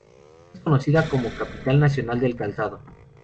Es conocida como capital nacional del calzado.